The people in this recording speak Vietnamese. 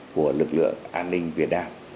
của lực lượng an ninh việt nam